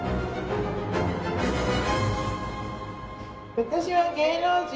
私は芸能人！